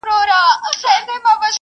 د ګل غونډۍ پر سره لمن له ارغوانه سره ..